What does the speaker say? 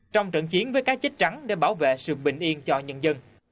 trong trận chiến với cá chết trắng để bảo vệ sự bình yên cho nhân dân